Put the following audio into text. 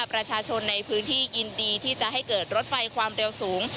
ประชาชนในพื้นที่ยินดีที่จะให้เกิดรถไฟความเร็วสูง